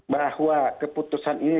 bahwa keputusan ini